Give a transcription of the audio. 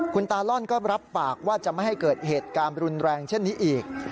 คุณตาล่อนก็รับปากว่าจะไม่ให้เกิดเหตุการณ์รุนแรงเช่นนี้อีก